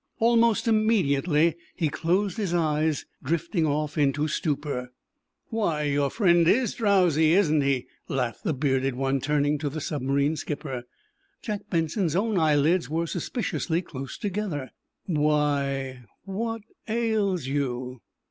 Almost immediately he closed his eyes, drifting off into stupor. "Why, your friend is drowsy, isn't he?" laughed the bearded one, turning to the submarine skipper. Jack Benson's own eyelids were suspiciously close together. "Why—what—ails you?"